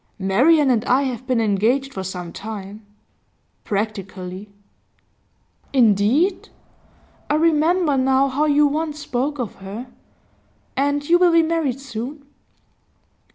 'Marian and I have been engaged for some time practically.' 'Indeed? I remember now how you once spoke of her. And you will be married soon?